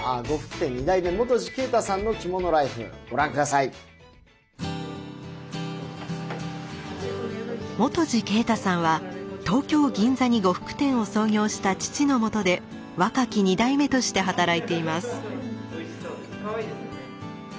泉二啓太さんは東京・銀座に呉服店を創業した父のもとで若き二代目として働いています。